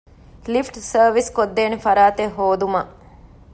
ލިފްޓް ސާރވިސްކޮށްދޭނެ ފަރާތެއް ހޯދުމަށް